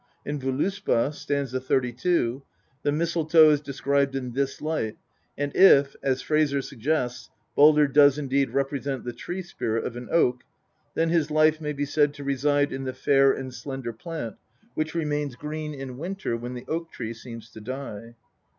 In Voluspa (st. 32) the mistletoe is described in this light, and if, as Frazer suggests, Baldr does indeed represent the tree spirit of an oak, then his life may be said to reside in the fair and slender plant which remains green in winter when the oak tree seems to die.